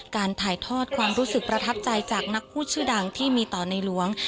การถ่ายทอดความรู้สึกประทับใจจากนักพูดชื่อดังที่มีต่อในหลวง